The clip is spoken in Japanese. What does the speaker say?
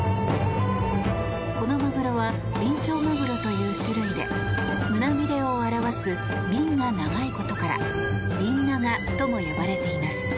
このマグロはビンチョウマグロという種類で胸びれを表すビンが長いことからビンナガとも呼ばれています。